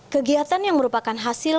kegiatan yang merupakan hasilnya